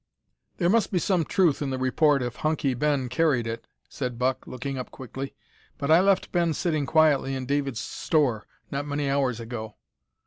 "There must be some truth in the report if Hunky Ben carried it," said Buck, looking up quickly, "but I left Ben sitting quietly in David's store not many hours ago."